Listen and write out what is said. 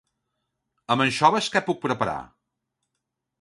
Amb anxoves què puc preparar?